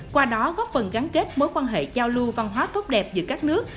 qua đó góp phần gắn kết mối quan hệ giao lưu văn hóa tốt đẹp giữa các nước